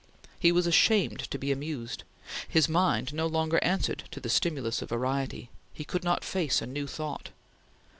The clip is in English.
He was ashamed to be amused; his mind no longer answered to the stimulus of variety; he could not face a new thought.